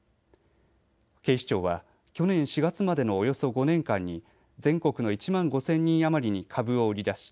警視庁は去年４月までのおよそ５年間に全国の１万５０００人余りに株を売り出し